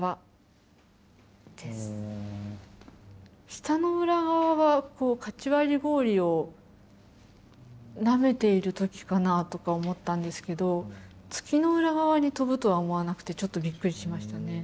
「舌の裏側」はカチ割り氷をなめている時かなとか思ったんですけど「月の裏側」に飛ぶとは思わなくてちょっとびっくりしましたね。